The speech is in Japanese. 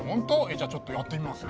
じゃあちょっとやってみます？